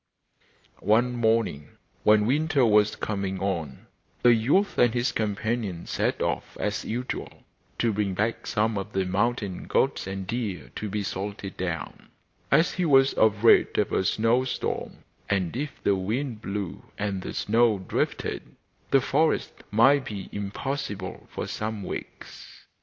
One morning, when winter was coming on, the youth and his companions set off as usual to bring back some of the mountain goats and deer to be salted down, as he was afraid of a snow storm; and if the wind blew and the snow drifted the forest might be impassable for some weeks.